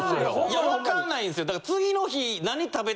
いや分かんないんすよ。